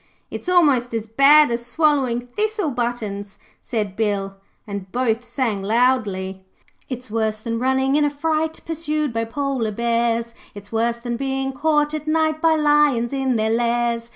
'It's almost as bad as swallowing thistle buttons,' said Bill, and both sang loudly 'It's worse than running in a fright, Pursued by Polar bears; It's worse than being caught at night By lions in their lairs.